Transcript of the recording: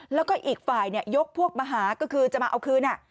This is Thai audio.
แล้วก็อีกฝ่ายยกพวกมาหาก็คือจะมาเอาคืน